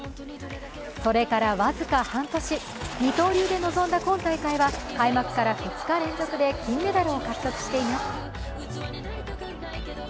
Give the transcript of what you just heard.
それから僅か半年、二刀流で臨んだ今大会は開幕から２日連続で金メダルを獲得しています。